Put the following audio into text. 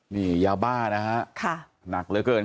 นี่ยาวบ้านะฮะนักเลยเกิน